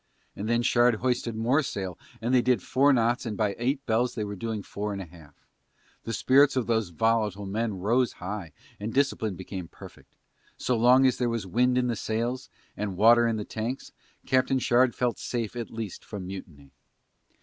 And then Shard hoisted more sail and they did four knots and by eight bells they were doing four and a half. The spirits of those volatile men rose high, and discipline became perfect. So long as there was wind in the sails and water in the tanks Captain Shard felt safe at least from mutiny.